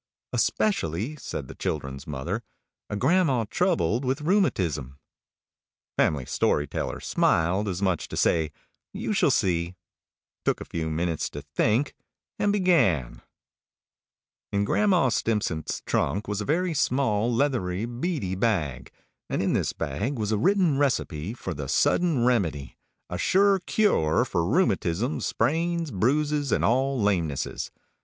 "Especially," said the children's mother, "a grandma troubled with rheumatism." Family Story Teller smiled, as much as to say, "You shall see," took a few minutes to think, and began: In Grandma Stimpcett's trunk was a very small, leathery, beady bag, and in this bag was a written recipe for the Sudden Remedy a sure cure for rheumatism, sprains, bruises, and all lamenesses.